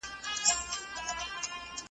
دفترونه د همکارۍ ځایونه دي.